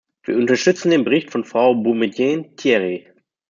Wir unterstützen den Bericht von Frau Boumediene-Thiery.